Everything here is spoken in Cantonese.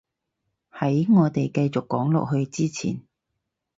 喺我哋繼續講落去之前